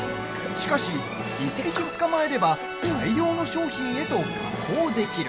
しかし、１匹捕まえれば大量の商品へと加工できる。